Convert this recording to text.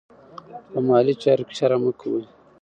په مالي چارو کې شرم مه کوئ.